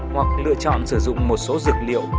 hoặc lựa chọn sử dụng một số dược liệu